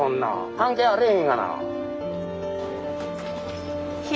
関係あれへんがな。